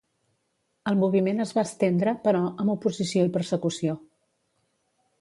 El moviment es va estendre, però, amb oposició i persecució.